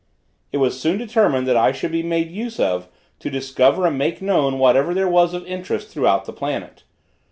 It was soon determined that I should be made use of to discover and make known whatever there was of interest throughout the planet.